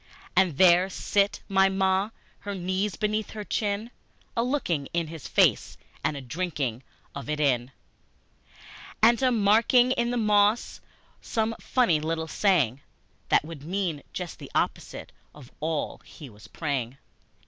And there sit my Ma, her knees beneath her chin, A looking in his face and a drinking of it in, And a marking in the moss some funny little saying That would mean just the opposite of all he was praying!